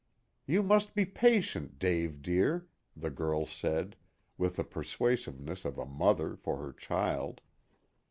"You must be patient, Dave dear," the girl said, with the persuasiveness of a mother for her child.